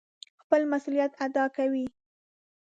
خپل مسئوليت اداء کوي.